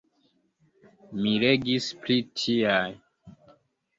Mi legis pri tiaj.